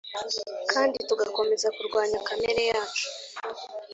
kandi tugakomeza kurwanya kamere yacu